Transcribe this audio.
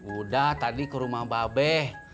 udah tadi ke rumah babe